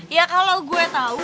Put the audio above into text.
ya kalau gue tahu